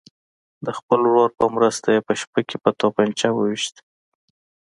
د خپل ورور په مرسته یې په شپه کې په توپنچه ویشت.